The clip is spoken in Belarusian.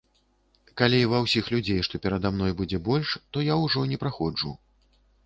Калі ва ўсіх людзей, што перада мной, будзе больш, то я ўжо не праходжу.